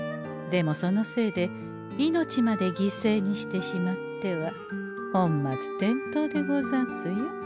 でもそのせいで命まで犠牲にしてしまっては本末転倒でござんすよ。